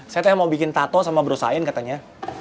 saya tuh yang mau bikin tato sama brosain katanya